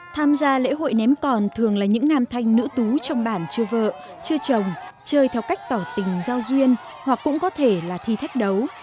tham gia lễ hội ném còn thường là những nam thanh nữ tú trong bản chưa vợ chưa chồng chơi theo cách tỏ tình giao duyên hoặc cũng có thể là thi thách đấu